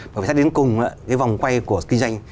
bởi vì sẽ đến cùng cái vòng quay của kinh doanh